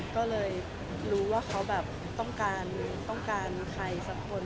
ก็เลยรู้ว่าเขาต้องการใครสักคน